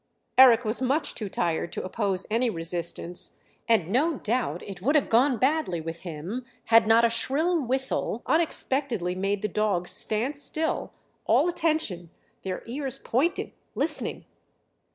Eric was much too tired to oppose any resistance, and no doubt it would have gone badly with him had not a shrill whistle unexpectedly made the dogs stand still, all attention, their ears pointed, listening.